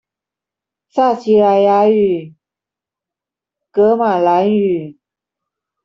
撒奇萊雅語、噶瑪蘭語